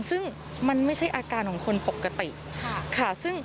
ซึ่งมันไม่ใช่อาการของคนปกติค่ะ